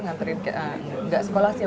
gak sekolah sih